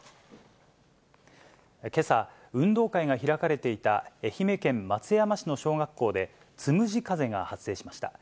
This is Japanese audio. けさ、運動会が開かれていた愛媛県松山市の小学校で、つむじ風が発生しました。